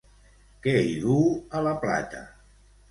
Què hi duu a la plata?